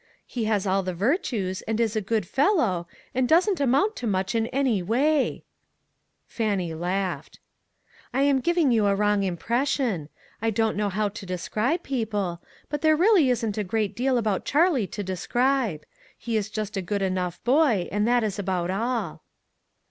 He has all the virtues, and is a good fel low, and doesn't amount to much in any way !" Fannie laughed. " I am giving you a wrong impression. I don't know how to describe people ; but there really isn't a great deal about Charlie to describe. He is just a good enough boy, and that is about all."